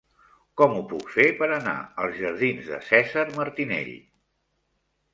Com ho puc fer per anar als jardins de Cèsar Martinell?